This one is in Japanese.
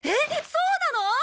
そうなの！？